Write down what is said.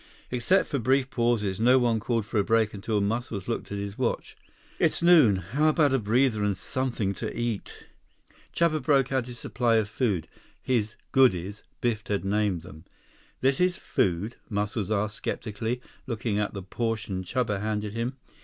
Except for brief pauses, no one called for a break until Muscles looked at his watch. "It's noon. How about a breather and something to eat?" Chuba broke out his supply of food—his "goodies," Biff had named them. "This is food?" Muscles asked skeptically, looking at the portion Chuba handed him.